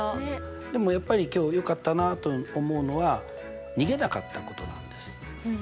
でもやっぱり今日よかったなあと思うのは逃げなかったことなんです。